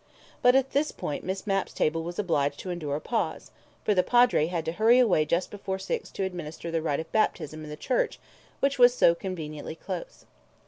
But at this point Miss Mapp's table was obliged to endure a pause, for the Padre had to hurry away just before six to administer the rite of baptism in the church which was so conveniently close.